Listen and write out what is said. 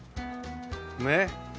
ねっ。